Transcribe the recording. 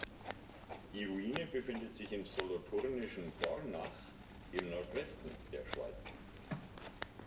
Die Ruine befindet sich im solothurnischen Dornach im Nordwesten der Schweiz.